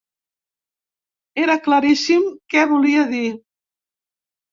Era claríssim què volia dir.